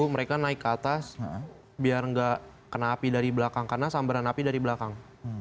mereka naik ke atas biar enggak kena api dari belakang karena sambaran api dari belakang